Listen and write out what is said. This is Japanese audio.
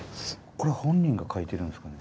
これは本人が書いてるんですかね？